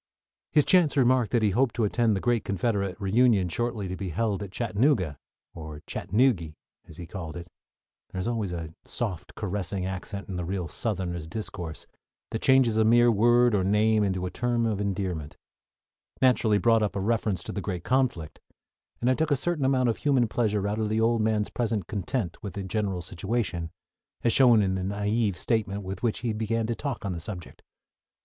His chance remark that he hoped to attend the great Confederate reunion shortly to be held at Chattanooga, or Chattanoogy, as he called it (there is always a soft, caressing accent in the real Southerner's discourse that changes a mere word or name into a term of endearment), naturally brought up a reference to the great conflict, and I took a certain amount of human pleasure out of the old man's present content with the general situation, as shown in the naïve statement with which he began to talk on the subject.